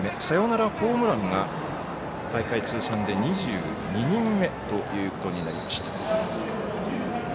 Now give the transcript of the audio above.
サヨナラホームランが大会通算で２２人目ということになりました。